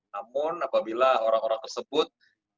namun apabila orang orang tersebut